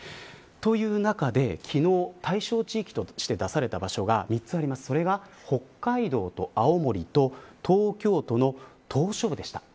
という中で、昨日対象地域として出された場所が３つあってそれが北海道と青森と東京都の島しょ部でした。